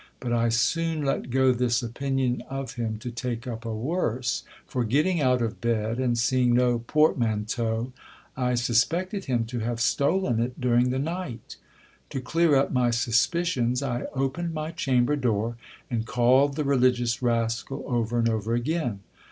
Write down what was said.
But I soon let go this opinion of him to take up a worse ; for getting out of bed, and seeing no portmanteau, I suspected him to have stolen it during the night. To clear up my suspicions, I opened my chamber door, and called the religious rascal over and over again.